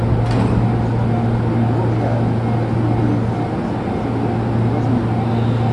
trente-huit rue de Vauréal, quatre-vingt-quinze, zéro zéro zéro à Boisemont